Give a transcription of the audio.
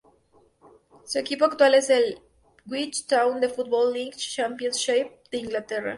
Su equipo actual es el Ipswich Town de la Football League Championship de Inglaterra.